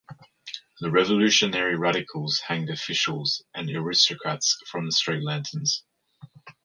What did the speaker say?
The revolutionary radicals hanged officials and aristocrats from street lanterns.